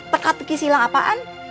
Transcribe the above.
teka teki silang apaan